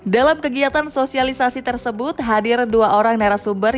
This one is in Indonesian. dalam kegiatan sosialisasi tersebut hadir dua orang narasumber